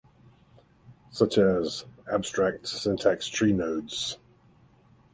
such as abstract syntax tree nodes